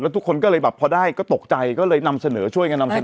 ทุกคนก็เลยแบบพอได้ก็ตกใจก็เลยนำเสนอช่วยกันนำเสนอ